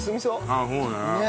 ああそうね。